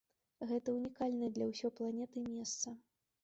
Гэта унікальнае для ўсёй планеты месца.